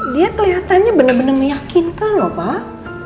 dia kelihatannya bener bener meyakinkan loh pak